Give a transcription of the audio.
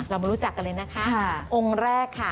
มารู้จักกันเลยนะคะองค์แรกค่ะ